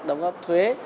đóng góp thuế